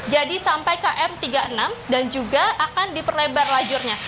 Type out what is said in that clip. jadi sampai km tiga puluh enam dan juga akan diperlebar lajurnya